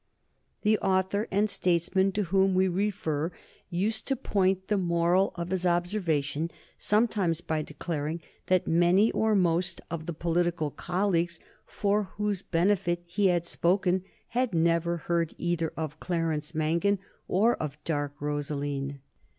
The author and statesman to whom we refer used to point the moral of his observation, sometimes, by declaring that many or most of the political colleagues for whose benefit he had spoken had never heard either of Clarence Mangan or of "Dark Rosaleen."